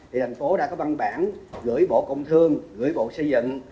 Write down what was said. thì thành phố đã có văn bản gửi bộ công thương gửi bộ xây dựng